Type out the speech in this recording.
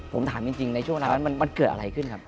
ผมถามจริงในช่วงเวลานั้นมันเกิดอะไรขึ้นครับ